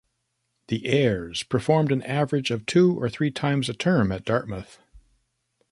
The Aires perform an average of two or three times a term at Dartmouth.